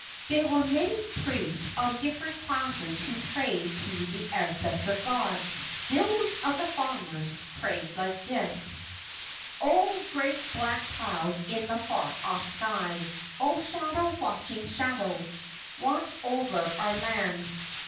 There were many priests of different classes who prayed to the ancestor gods. Those of the farmers prayed like this: "O great black cloud in the far off sky, O shadow watching shadow, Watch over our land.